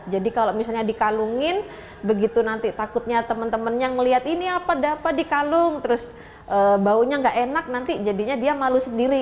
jadi kalau misalnya dikalungin begitu nanti takutnya teman teman yang melihat ini apa apa dikalung terus baunya gak enak nanti jadinya dia malu sendiri